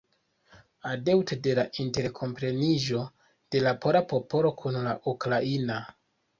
Adepto de interkompreniĝo de la pola popolo kun la ukraina.